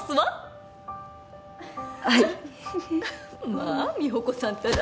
まあ美保子さんったら。